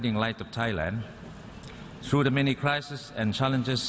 ผ่านหลังหลักศักดิ์และปัจจุที่พระเจ้าต้องการ